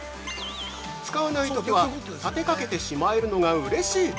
使わないときは立てかけてしまえるのがうれしい。